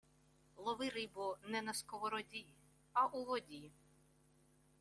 Лови рибу не на сковороді; а у воді.